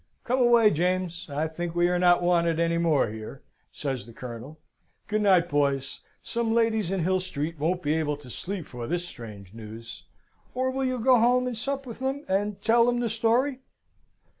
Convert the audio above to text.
"Come away, James! I think we are not wanted any more here," says the Colonel. "Good night, boys. Some ladies in Hill Street won't be able to sleep for this strange news. Or will you go home and sup with 'em, and tell them the story?"